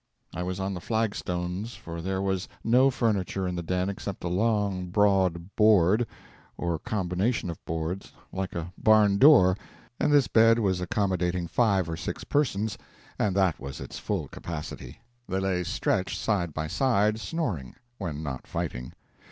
I was on the flag stones, for there was no furniture in the den except a long, broad board, or combination of boards, like a barn door, and this bed was accommodating five or six persons, and that was its full capacity. They lay stretched side by side, snoring when not fighting.